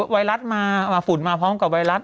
วัยรัสมาเอาน้าฝุ่นมาพร้อมกับวัยรัส